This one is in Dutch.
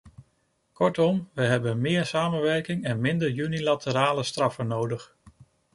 Kortom, we hebben meer samenwerking en minder unilaterale straffen nodig.